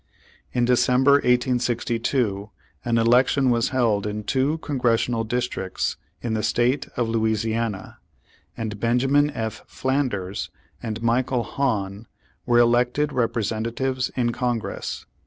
In December, 1862, an election was held in two Congressional Districts in the State of Louisiana, and Benjamin F. Flanders and Michael Hahn were elected Representatives in Congress.